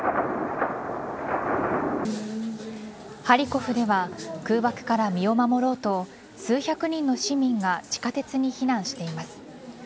ハリコフでは空爆から身を守ろうと数百人の市民が地下鉄に避難しています。